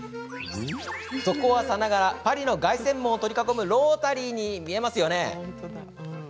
そこはさながら、パリの凱旋門を取り囲むロータリーに見えます